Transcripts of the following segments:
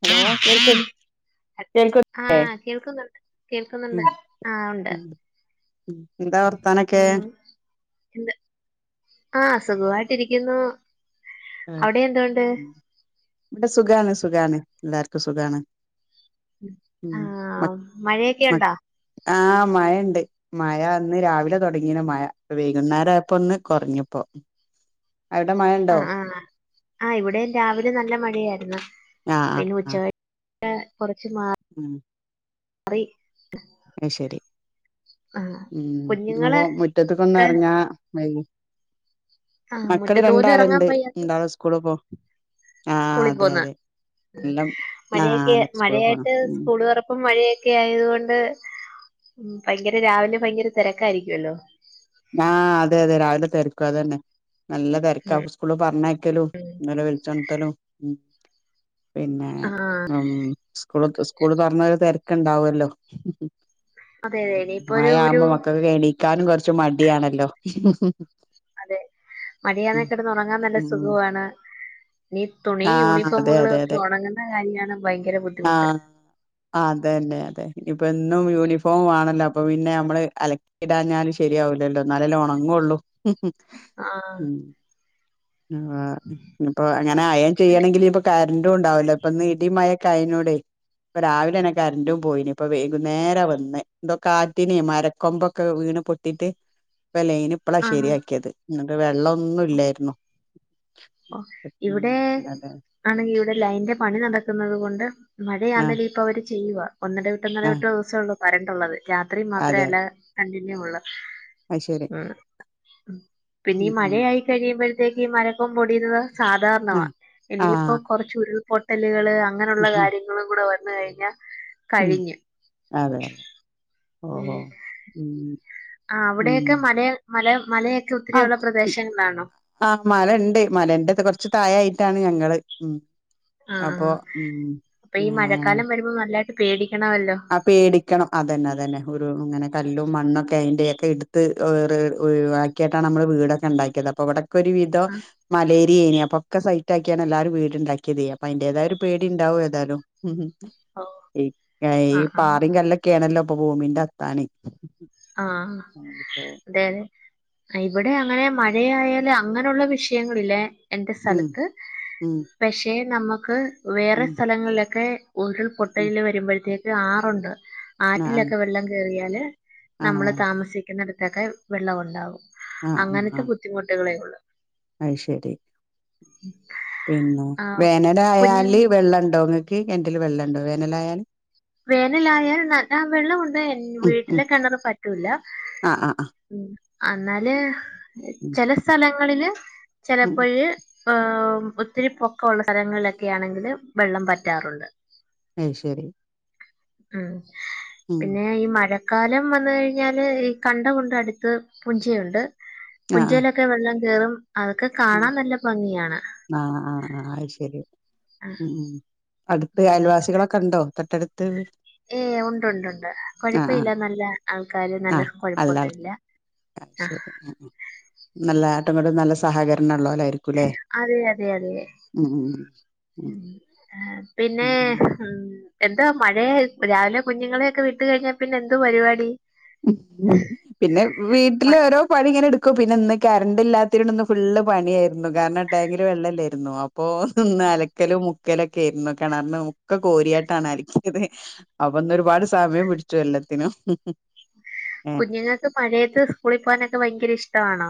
Hello കേൾക്കു ആ കേൾക്കുന്നില്ലേ കേൾക്കുന്നുണ്ട് ഉം കേൾക്കുന്നുണ്ട് ആ ഉണ്ട്. ഉം എന്താ വർത്താനൊക്കെ? എന്ത ആഹ് സുഖമായിട്ടിരിക്കുന്നു ആഹ് അവിടെ എന്തോണ്ട്? ഇവിടെ സുഖാണ് സുഖാണ് എല്ലാർക്കും സുഖാണ് ഉം മ ആഹ് മഴയൊക്കെ മ ഉണ്ടോ? ആഹ് മഴണ്ട് മഴ ഇന്ന് രാവിലെ തുടങ്ങീണ് മഴ പ്പ വൈകുന്നേരായപ്പൊന്ന് കൊർഞ്ഞിപ്പോ അവിടെ മഴണ്ടോ? ആഹ് ഇവിടേം രാവിലെ നല്ല മഴയായിരുന്നു ആഹ് ആഹ് ആഹ് കൊറച്ച് ഉം അറി അ ശരി ആ ഉം ന്ന്പ്പൊ കുഞ്ഞുങ്ങള് ഒക്കെ മുറ്റത്ത്ക്കൊന്നർങ്ങാ ആ മക്കള് മുറ്റത്ത് പോലും ഇറങ്ങാൻ രണ്ടാള്ണ്ട് വയ്യാത്ത രണ്ടാളും സ്കൂള് പോ ആഹ് സ്കൂളിൽ അതെ പോന്ന് അതെ നല്ല ആഹ് മഴയൊക്കെ അതെ സ്കൂള് പോണം മഴയായിട്ട് ഉം സ്കൂള് തുറപ്പും മഴയെ ക്കെ ആയത് കൊണ്ട് ഉം ഭയങ്കര രാവിലെ ഭയങ്കര തിരക്കായിരിക്കുമല്ലോ ക്ക അതന്നെ നല്ല തിരക്ക സ്കൂള്ള് പറഞ്ഞയക്കലും ബലെ വിളിച്ചൊ ത്തലും പിന്നെ ഉം സ്കൂൾക് സ്കൂള് തൊർന്നൊര ക്ക്ണ്ടാവല്ലോ അതെ ഇനിയിപ്പോ ഒരു ഒരു മായാവുമ്പോ മക്കൾക്ക് എണീക്കാനും കൊ ച്ചു മടിയാണല്ലോ അതെ മഴയാന്നേ കെടന്നൊറങ്ങാൻ നല്ല ഉം സുഖമാണ് നി തുണി ആഹ് അതെ യൂണിഫോമുകള് അതെ ഒക്കെ അതെ ഉണങ്ങുന്ന കാര്യമാണ് ഭയങ്കര ബുദ്ധിമുട്ട് ആ അതെല്ലെ അതെ ഇനിപ്പോ എന്നും യൂണിഫോമ് വാണല്ലോ അപ്പൊ പിന്നെ നമ്മള് അലക്കിടാഞ്ഞാല് ശരിയാവൂലല്ലോ ന്നാലല്ലേ ഉണങ്ങൊള്ളു ആഹ് ആ നിപ്പൊ അങ്ങനെ അയേൺ ചെയ്യണങ്കിലിപ്പൊ ക രണ്ടും ണ്ടാവൂല പ്പൊന്നിടിം മായൊകായനോടെ പ്പൊ രാവിലെന്നെ കരന്റും പോയിന് പ്പൊ വൈകുന്നേര വന്നെ ന്തോ കാറ്റിനെയ് മരക്കൊമ്പൊക്കെ വീണ് പൊ ട്ടീട്ട് പ്പൊ ലൈനിപ്പളാ ആഹ് ശരിയാക്കിയത് ന്നിട്ട് വെള്ളൊന്നുല്ലായിരുന്നു ഓ ഇവിടെ അതെ ആണെങ്കിൽ ഇവിടെ ലൈന്റെ പണി നടക്കുന്നത് കൊണ്ട് ആഹ് മഴയാന്നേലും ഇപ്പൊ അവര് ചെയ്യുവ ഒന്നെട വിട്ട ഒന്നട ആഹ് വിട്ട ദിവസള്ളൂ കരണ്ടുള്ളത് രാത്രി മാത്രേ അതെ അല്ല കണ്ടിന്യൂ ഉള്ളത് അത് ശരി ഉം പിന്നീ ഉം ഉം മഴയായി കഴിയുമ്പോഴത്തേക്ക് മ പ്പം പൊടിയുന്നത് സാധാരണമാ ആഹ് ഇനിയിപ്പോ ആഹ് കൊറച്ച് ഉരുൾപൊട്ടല് ഉം അങ്ങനെയുള്ള ഉം കാര്യങ്ങളും കൂടെ വന്ന് കഴിഞ്ഞാൽ ഉം അതെ ഓഹോ ഉം ആ അവിടെയൊക്കെ മലയെ മലയും ആ ആ മലണ്ട് മലന്റൊക്കെ കുറച്ച് താഴായിട്ടാണ് ഞങ്ങള് ഉം ആഹ് അപ്പൊ ആഹ് ഉം അപ്പൊ ഈ മഴക്കാലം [unintelligible] വരുമ്പോ നല്ലായിട്ട് പേടിക്കണമല്ലോ ആ പേടിക്കണം അതന്നെ അതന്നെ ഒരു ഇങ്ങനെ കല്ലും മണ്ണൊക്കെ അയ്ന്റെയൊക്കെ എട്ത്ത് ഒര് ഒഴിവാക്കിയിട്ടാണ് നമ്മള് വീടൊക്കെ ണ്ടാക്കിയത് അപ്പോ ഇവിടെ കൊരുവിധം മലയ് നി അപ്പൊക്കെ സൈറ്റ് ആക്കിയാണ് എല്ലാരും വീട്ണ്ടാക്കിയതേ അപ്പ അതിന്റേതായ ഒരു പേടിണ്ടാവും ഏതാലും ആഹ് ഈ ആഹ് ആഹ് പാറയും കല്ലൊക്കെയേണല്ലോ പ്പൊ ഭൂമിന്റെ അത്താണി അപ്പൊ ആഹ്തെ ഇവിടെ അങ്ങനെ മഴയായാല് അങ്ങനെയുള്ള വിഷയങ്ങളില്ലേ എന്റെ ഉം സ്ഥലത്ത് ഉം പക്ഷെ നമ്മക്ക് വേറെ ഉം സ്ഥലങ്ങളിലൊക്കെ ഉരുൾ ഉം പൊട്ടൽ വരുമ്പോഴത്തേക്ക് ആറുണ്ട് ആഹ് ആറ്റിലൊക്കെ വെള്ളം കേറിയാല് ആണോ നമ്മള് താമസിക്കുന്നിടുത്തൊക്കെ വെള്ളം ഉണ്ടാവും അങ്ങനത്തെ ബുദ്ധിമുട്ടുകളേ ഉള്ളൂ അയ് ശരി പിന്നെ ആഹ് കുഞ്ഞു വേനലായാല് വെള്ളണ്ടോ ങ്ങക്ക് കെൻറ്റ്ൽ വെള്ളണ്ടോ വേനലായാല് വേനലായാൽ നല്ല വെള്ളമുണ്ട് ഉം ഉം വീട്ടിലെ കെണറ് പറ്റൂല ആഹ് ആഹ് ആഹ് ഉം അന്നാല് ഉം ചെല സ്ഥലങ്ങളില് ഉം ചെലപ്പോഴ് ഹ് ഒത്തിരി പൊക്കൊള്ള സ്ഥലങ്ങളിലൊക്കെയാണെങ്കിൽ വെള്ളം പറ്റാറുണ്ട് അഹ് ശരി ഉം ഉം പിന്നെ ഈ മഴ ക്കാലം വന്ന് കഴിഞ്ഞാല് ഈ കണ്ട കുണ്ടടുത്ത് പുഞ്ചയുണ്ട് ആഹ് ആഹ് പുഞ്ചയിലൊക്കെ വെള്ളം കേറും അതൊക്കെ ഉം കാണാൻ നല്ല ഭംഗിയാണ് [unintelligible] ഏ ഉണ്ട്ണ്ട് ഉണ്ട് ആഹ് ആഹ് കൊഴപ്പില്ല നല്ല ആൾക്കാര് നല്ല ആഹ് നല്ല ആൾ കൊഴപ്പൊന്നുല്ല അത് ആഹ് ശരി നല്ല ആട്ടുങ്ങട്ടും നല്ല സഹകരണള്ളോ അതെ അതെ അതെ ഉം ഉം ഉം ഉം ഏഹ് പിന്നെ ഉം എ ന്താ മഴേ രാവിലെ കുഞ്ഞുങ്ങളെയൊക്കെ വിട്ട് കഴിഞ്ഞാ പിന്നെന്ത്‌ പരിപാടി പിന്നെ വീട്ടില് മ- ഓരോ പണിങ്ങനെട് ക്കും പിന്നെന്ന് കറണ്ടില്ലാത്തിനോട്‌ന്ന് ഫുള്ള് പണിയായിരുന്നു കാരണം ടാങ്കില് വെള്ളല്ലേര്ന്നു അ പ്പോന്ന്ലക്കലും മു ക്കലൊക്കെര്ന്ന് കേണറ്ന്നോക്കെ കോര്യാട്ടാണ് അല്ക്യത് അപ്പൊന്നൊരുപാട് സമയം പിടിച്ചു എല്ല ത്തിനും കുഞ്ഞുങ്ങക്ക് മഴയത്ത് സ്കൂള് പോവാനൊക്കെ ഭയങ്കര ഇഷ്ടവാണോ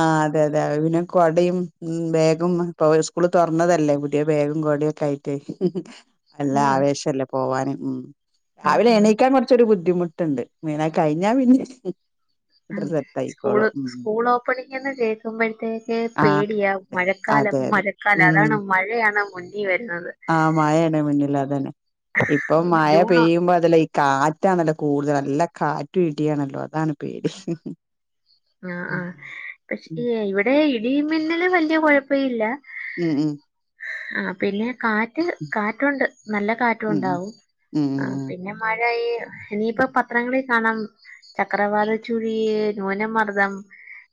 ആ അതെ അതെ അഹ് പിന്നെ കൊടിം ഉം ബേഗും പ്പൊ സ്കൂള് തൊറന്നതല്ലേ പുത്യേ ബേഗ ഗും കൊട്യോക്കെയ്ട്ടേ നല്ല ഉം ആവേശല്ലേ പോവാനും ഉം ആഹ് രാവിലെ ആഹ് എണീക്കാൻ കൊറ്ച്ചൊരു ബുദ്ധിമു ട്ട്ണ്ട് മൈനാ കഴിഞ്ഞാ പിന്നെ ആ സെറ്റ് ആയിക്കോളും സ്കൂള് ഉം സ്കൂളോ പ്പള്ങ്ങനെ കേൾക്കുമ്പോഴത്തേക്ക് ആഹ് പേടിയ അതെ മഴക്കാലം അതെ അതെ മഴക്കാലം ഉം അതാണ് മഴയാണൊ മു ആഹ് മാഴേണ് മുന്നിൽ അതന്നെ ഇപ്പം ഉം, മഴ ജൂൺ പെയ്യുമ്പോ അതല്ല ഈ കാറ്റാണല്ലോ കൂടുത നല്ല കാറ്റു ഇടിയാണല്ലോ അതാണ് പേടി ആ ഉം പക്ഷേ ഉം ഇവടെ ഇടി മിന്നില് വല്ല്യ കൊഴപ്പ ഇല്ല ഉം ഉം ആ പിന്നെ കാറ്റ് കാറ്റുണ്ട് നല്ല ഉം കാറ്റുണ്ടാവും ഉം ഉം അ ഉം. പിന്നെ മഴയി ഇനിയിപ്പ പത്രങ്ങളിൽ കാണാം ചക്രവാത ചുഴി, ന്യൂനമർദ്ദം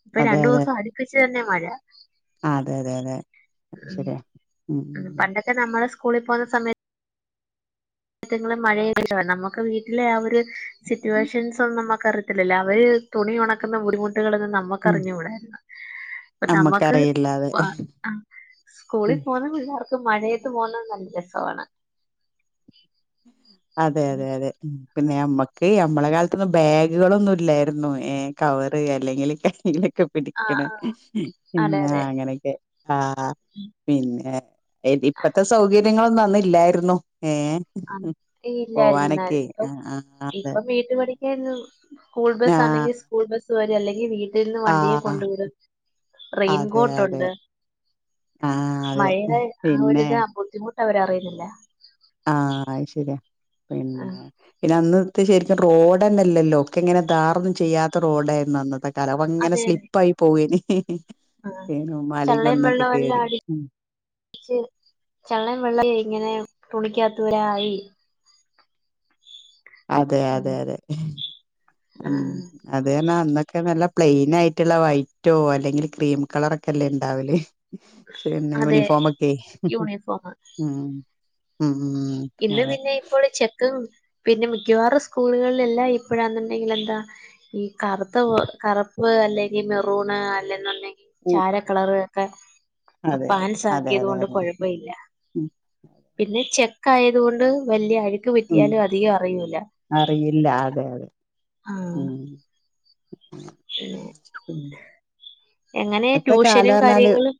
പ്പ അതെ അതെ രണ്ടൂസം അടുപ്പിച്ച് തന്നെ മഴ ആ തെ തെ തെ ഉം ശരിയാ ഉം ഉം പണ്ടൊക്കെ നമ്മള് സ്കൂളിൽ പോന്ന സമയ [unintelligible] നമുക്ക് വീട്ടിലെ ആ ഒരു ഉം. സിറ്റുവേഷൻസ് ഒന്നും ന ക്കറിത്തില്ലല്ലോ അവര് തുണി ഒണക്കുന്ന ബുദ്ധിമുട്ടുകളൊന്നും ഉം. നമ്മക്കറിഞ്കൂടായിര്ന്നു പ്പ നമ്മക്ക് നമ്മക്കറിയില്ല അതെ സ്കൂളിൽ പോന്ന പിള്ളേർ ക്ക് മഴയത്ത് പോവുന്നെ നല്ല രസവാണ് അതെ അതെ അതെ പിന്നെ ഞമ്മക്ക് ഞമ്മളെ കാലത്തൊന്നും ബാഗുകളൊന്നും ല്ലായിരുന്നു ഏഹ് കവറ് അല്ലെങ്കിൽ കൈയിൽ ക്കെ ആഹ് പിടിക്ക്‌ണ ആഹ് അതെ പിന്നാ അതെ ങ്ങനൊക്കെ ആ പിന്നെ ഇപ്പത്തെ സൗകര്യങ്ങളൊന്നും അന്നില്ലായിർന്നു ഏഹ് ആഹ് ഇല്ലായിരുന്നു [unintelligible] അതെ ഇപ്പം മേത് [unintelligible] പടിക്കെ നിന്നുംസ്കൂൾ ആ ബസാന്നെങ്കിൽ സ്കൂൾ ബസ് വരാ അല്ലെങ്കിൽ വീ തിൽ ന്ന് ആ വണ്ടിയിൽ കൊണ്ട് വിടും അതെ അതെ റെെയിൻകോട്ടുണ്ട് ആ അതെ മഴയുടെ ആ ഒര് പിന്നെ ത് ബുദ്ധിമുട്ട് അവരറിയുന്ന് ല്ല ആഹ് ശരിയാ ആ, പിന്നെ പിന്നെ അന്ന് അത് ശരിക്കും റോഡ് തന്നെയല്ലല്ലോ ഒക്കെ എങ്ങനെ ധാറൊന്നും ചെയ്യാത്ത റോഡ്ന്ന് വന്നതെ സ്ഥലങ്ങനെ അതെ അതെ സ്ലിപ്പ് ആയി പോവേന് ആഹ് പിന്നെ മലിം കുന്നൊക്കെ കേറി ചെള്ളൻ വെള്ള ഇങ്ങനെ തുണിക്കാത്തവരായി അതെ ഉം അതെ അതെ ഉം ആഹ് അതെന്നാ അന്ന ഒക്കെ നല്ല പ്ലെയിൻ ആയിട്ടുള്ള വൈറ്റോ അല്ലെങ്കിൽ ക്രീം കളറ് ഒക്കെ അല്ലേ ഉണ്ടാവല് ശരിന്നെ അതെ യൂണിഫോമും ഒക്കെ യൂണിഫോമ് ഉം ഉം ഉം ഇന്ന് അതെ പിന്നെ ഇപ്പോള് ചക്ക പിന്നെ മിക്കവാറും സ്കൂളുകളിലെല്ലാം ഇപ്പോഴാെന്നുണ്ടെങ്കിൽ എന്താ ഈ കറുത്ത കറുപ്പ് അല്ലെങ്കിൽ മെറൂണ് അല്ലെന്നല്ലെങ്കിൽ ഉം ചാര കളർ ഒക്കെ ആ അതെ പാൻ്റ്സ് അതെ ആക്കിയത് അതെ കൊണ്ട് അതെ കുഴപ്പല്ല ഉം പിന്നെ ചെ കായതു കൊണ്ട് വല്ല്യ അഴുക്ക് ഉം പിറ്റിയാലും അധികം അറിയൂല്ല അറിയില്ല അതെ അതെ ഉം പിന്നെ എങ്ങനെ പ്പത്തെ ട്യൂഷനും കാലംഞ്ഞാല് കാര്യങ്ങളും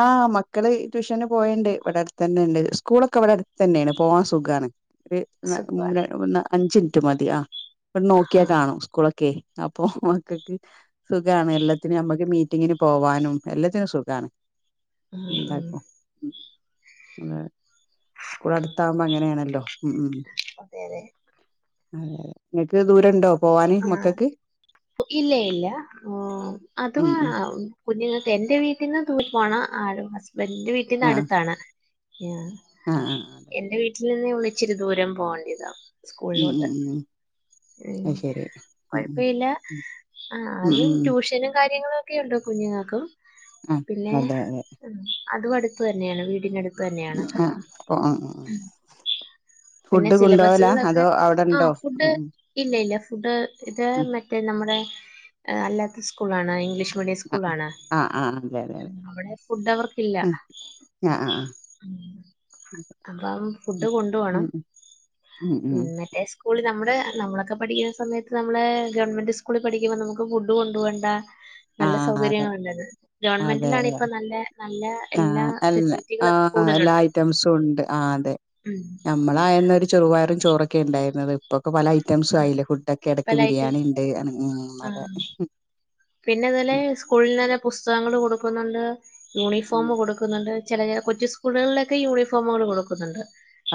ആഹ് മക്കള് ഷന് പോയണ്ട് ഇവിടെ അടുത്ത് തന്നെ ഉണ്ട് സ്കൂളൊക്കെ ഇവിടെ അടുത്ത് തന്നെയാണ് പോവാൻ സുഖമാണ് ഒരു സുഖാണ് അഞ്ച് മിനിറ്റ് മതി ആ ഇ നോക്കിയാൽ ആഹ് കാണും സ്കൂളൊക്കെ അപ്പൊ മക്കൾക്ക് സുഖാണ് എല്ലാ ത്തിന് നമ്മക്ക് മീറ്റിങ്ങിന് പോവാനും എല്ലാത്തിനും സുഖാണ് ഉം എന്താ ഉം അ സ്കൂൾ അടുത്ത് ആകുമ്പോ അങ്ങനെയാണല്ലോ അതെ അതെ അതെതെ നിങ്ങൾക്ക് ദൂരം ഉണ്ടോ ആഹ് ഇല്ല ഇല്ല അത് ഉം ഉം കുഞ്ഞുങ്ങൾ എന്റെ വീട്ടിൽന്ന് തൂരെ പോണ ആരോ ഹസ്ബൻഡിന്റെ വീട്ടിന്ന് ആഹ് അടുത്താണ് ആഹ് ആഹ് അതെ എന്റെ അതെ വീട്ടിൽ നിന്ന് ഇച്ചിരി ദൂരം പോവണ്ടതാ ഉം സ്കൂളിലോട്ട് ഉം ഉം ഉം അത് ശരി ഉം ഉം കൊഴപ്പില്ല ആ ഉം അത് ഉം ഉം ട്യൂഷനും കാര്യങ്ങളും ഒക്കെുണ്ടോ കുഞ്ഞുങ്ങൾക്കും ആഹ് പിന്നെ അതെ അതെ അതും അടുത്ത് തന്നെയാണ് വീടിനടുത്ത് തന്നെയാണ് ആഹ് അപ്പൊ ഉം ഉം ഉം പിന്നെ ഫുഡ് കൊണ്ടോവലാ സിലബസുകളൊക്കെ അതോ ആ അവിടെണ്ടോ ഫുഡ് ഉം ഉം ഇല്ല ഇല്ല ഫുഡ് ഇത് ഉം മറ്റേ നമ്മുടെ അല്ലാത്ത സ്കൂളാണ് ഇംഗ്ലീഷ് മീഡിയം ആഹ് സ്കൂളാണ് ആഹ് ആഹ് അതെ അതെ അതെ അവിടെ ഫുഡ് അവർക്കില്ല ഉം ആഹ് ആഹ് ആഹ് ഉം അപ്പം ഫുഡ് കൊണ്ട് പോണം ഉം ഉം ഉം ഉം ഉം മറ്റേ സ്കൂളിൽ നമ്മുടെ നമ്മളൊക്കെ പഠിക്കുന്ന സമയത്ത് നമ്മളെ ഗവൺമെന്റ് സ്കൂളിൽ പഠിക്കുമ്പോ നമുക്ക് ഫുഡ് കൊു പോവണ്ട നല്ല ആഹ് അതെ സൗകര്യങ്ങള ഉണ്ട്ത് ഗവൺമെന്റിനാണ് ഇപ്പോ നല്ല നല്ല ആ എല്ലാ അല്ല ആ ഫെസിലിറ്റികളൊക്കെ എല്ലാ കൂടുതലുണ്ട് ഐറ്റംസും ഉണ്ട് ആ അതെ ഉം നമ്മളായുന്ന ഒരു ചെറുുവായിറും ചോറൊക്കെ ഉണ്ടായിരുന്നത് ഇപ്പൊ ക്ക പല ഐറ്റംസും ആയില്ലേ ഫുഡൊക്കെ പല ഇടക്ക് ബിരിയാണി ഐറ്റംസ് ഉണ്ട് ഉം ആ അതെ പിന്നെ ഇതുലെ സ്കൂളിൽ തന്നെ പുസ്തകങ്ങൾ കൊടുക്കുന്നുണ്ട് യൂണിഫോം കൊടുക്കുന്നുണ്ട് ചില ചില കൊച്ചു സ്കൂളുകളിലൊക്കെ യൂണിഫോമുകൾ കൊടുക്കുന്നുണ്ട്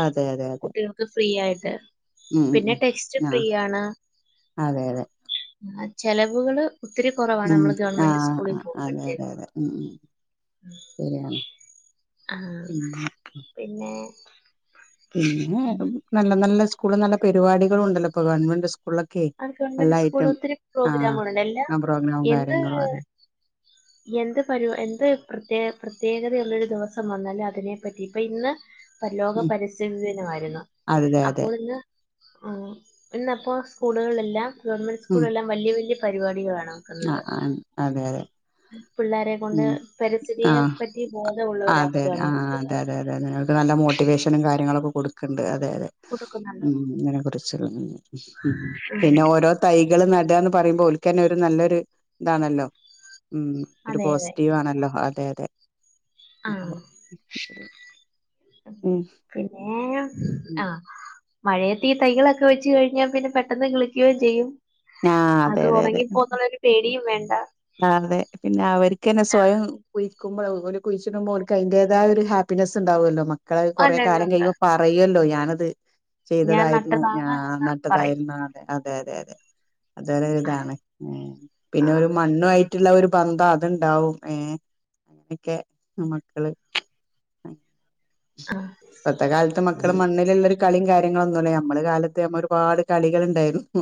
അതെ അതെ അതെ അതെ കുട്ടികൾക്ക് ഫ്രീ ആയിട്ട് ഉം ഉം പിന്നെ ഉം ടെക്സ്റ്റ് ആഹ് ഫ്രീയണ് അതെ അതെ ആ ചെലവുകള് ഒത്തിരി കുറവാണ് ഉം നമ്മള് ഗവൺമെന്റ് ആഹ് ആ സ്കൂളിൽ അതെ അതെ പോകുമ്പോഴത്തേക്ക് അതെ ഉം ഉം ശരിയാണ് ആ പിന്നെ പിന്നെ പിന്നെ നല്ല നല്ല സ്കൂള് നല്ല പരിപാടികളും ഉണ്ടല്ലോ ഇപ്പൊ ഗവൺമെന്റ് സ്കൂ ആ ഗവൺമെന്റ് സ്കൂളിൽ ഒത്തിരി ആഹ് പ്രോഗ്രാമുകളണ്ട് എല്ലാ ആ പ്രോഗ്രാമും എന്ത് കാര്യങ്ങളും അതെ എന്ത് പരി എന്ത് പ്രത്യേ പ്രത്യേകതയുള്ളൊരു ദിവസം വന്നാല് അതിനെപ്പറ്റി ഇപ്പൊ ഇന്ന് ലോക ഉം പരിസ്ഥിതിനമായിരുന്നു അതെ അതെ അപ്പോൾ ഇന്ന് ഇന്നിപ്പോ സ്കൂളുകളെല്ലാം ഗവൺമെന്റ് സ്കൂളിലല്ലാം വലി വലിയ പരിപാടികളാണ് ആ വെക്കുന്നത് അതെ അതെ പിള്ളേരെ ഉ കൊണ്ട് ആ പരിസ്ഥിതിയെ പറ്റി അതെ ആ ബോധമുള്ളവരാക്കുകയാണ് കുട്ടികൾ അതെതെതെതെക്ക് നല്ല മോട്ടിവേഷനും കാര്യങ്ങളക്കെ കൊടുത്ത് ണ്ട് അതെതെ ഉ കൊടുക്കുന്നുണ്ടോ അകുറിച്ച പിന്നെ ഓരോ തൈ നടാന്ന് പറയുമ്പോ ഓൽക്കന്നെ ഒരു നല്ലൊരു ഇതാണല്ലോ ഉ ഒരു അതെ അതെ പോസിറ്റീവ് ആണല്ലോ അതെ അതെ ആഹ് ഉം പിന്നെ ഉം. ആ മഴയത്ത് ഈ തൈകളൊക്കെ വെച്ച് കഴിഞ്ഞാൽ പിന്നെ പെട്ടെന്ന് കിളിക്കും ചെയ്യും ആഅതെ അത് അതെ അതെ ഉണങ്ങിപ്പോന്നുള്ളൊരു പേടിയും വേണ്ട ആ അതെ പിന്നെ അവർക്ക്ന്നെ സ്വയം കുയി നക്ക്പോ ഒരു കുഴിച്ചിടുബൊ ഓൽക്ക് അതിന്റേതായ ഒരു ഹാപ്പിനെസ് ഉണ്ടാവുമല്ലോ മക്കള് കൊറെ കാലം അല്ലല്ലുണ്ട് കഴിയ്പ പറയല്ലോ ഞാനത് ഞാൻ ചെയ്തതായിരുന്നു ഞാൻ നട്ടതാണ് എന്ന് പറയും നട്ടതായിരുന്നു അതെ അതെ അതെ അതെ അത ഇതാണ് ഉ പിന്നെ ഒരു മണ്ണുഅയി മറ്റുള്ള ഒരു ബന്ധം അതുണ്ടാവും ഏ അങ്ങനെയൊക്കെ മ്മക്കള് ഇപത്തെ കാലത്ത് മക്കള് മണ്ണിൽലുള്ളർ കളിയും കാര്യങ്ങളൊന്നുംല്ലേ നമ്മള് കാലത്ത് നമ്മ ഒരുപാട് കളികളുണ്ടായിരുന്നു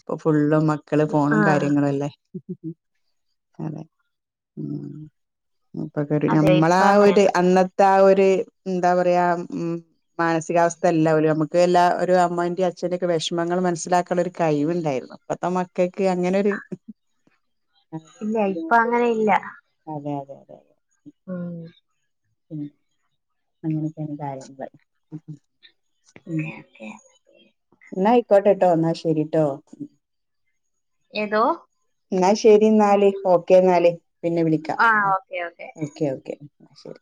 ഇപ്പൊ ഫുള്ളും മക്കള് ഫോണും ആഹ് കാര്യങ്ങളുംല്ലേ അതെ ഉ ഇപ്പൊക്ക അതെ ഇപ്പൊ നമ്മളാ ഒരു അങ്ങനെയാണ് അന്നത്തെ ആ ഒരു എന്താ പറയാ ഉം മാനസികാവസ്ഥ അല്ല നമുക്ക് എല്ലാ ഒരു അമ്മൻറ അച്ഛ്ൻറെ ഒക്കെ വിഷമങ്ങൾ മനസിലാക്കാനുള്ളൊരു കഴിവുണ്ടായിരുന്നു ഇപ്പത്തെ മക്കൾക്ക് അങ്ങനൊരു ഇല്ല ഇപ്പൊ അങ്ങനെ ഇല്ല ആ ഉം ഉം അങ്ങനെയൊക്കെയെ കാര്യങ്ങൾ ഉ ഓക്കെ ഓക്കെ ംഎന്നായിക്കോട്ടെട്ടോ എന്നാൽ ശരിട്ടോ ഏതോ എന്നാൽ ശെരി എന്നാല് ഓക്കേ എന്നാല് പിന്നെ വിളിക്കാം ആഹ് ഓക്കെ ഓക്കെ ശരി